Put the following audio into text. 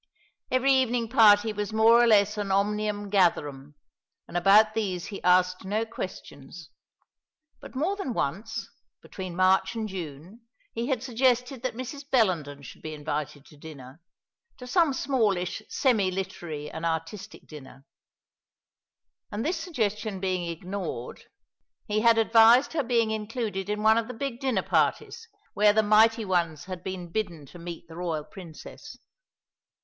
Every evening party was more or less an omnium gatherum; and about these he asked no questions but more than once, between March and June, he had suggested that Mrs. Bellenden should be invited to dinner to some smallish semi literary and artistic dinner and this suggestion being ignored, he had advised her being included in one of the big dinner parties, where the mighty ones had been bidden to meet the royal Princess.